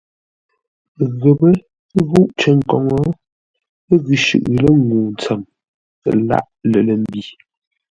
Ghəpə́ ghúʼ cər koŋə, ə́ ngʉ̌ shʉʼʉ lə́ ŋuu ntsəm, ə lâʼ lər lə̂ mbi.